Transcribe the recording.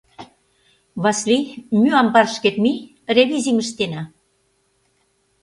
— Васли, мӱй амбарышкет мий, ревизийым ыштена.